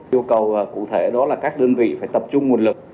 yêu cầu cụ thể đó là các đơn vị phải tập trung nguồn lực